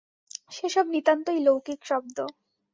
সে সব নিতান্তই লৌকিক শব্দ।